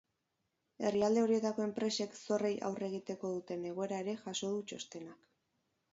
Herrialde horietako enpresek zorrei aurre egiteko duten egoera ere jaso du txostenak.